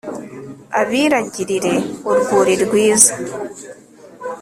abiragirire urwuri rwiza